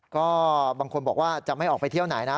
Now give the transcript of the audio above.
ก็บางคนบอกว่าจะไม่ออกไปเที่ยวไหนนะ